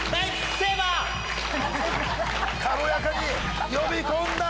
軽やかに呼び込んだ。